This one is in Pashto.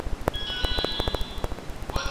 صفوي سردارانو د هغوی غوښتنه په کلکه رد کړه.